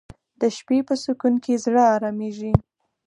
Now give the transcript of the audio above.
د شپې په سکون کې زړه آرامیږي